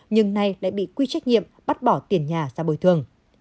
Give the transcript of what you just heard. nhưng nay lại bị quy trách nhiệm bắt bỏ tiền nhà ra bồi thường